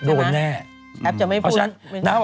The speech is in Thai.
โดนแน่เพราะฉะนั้น